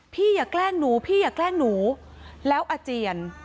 อย่าแกล้งหนูพี่อย่าแกล้งหนูแล้วอาเจียน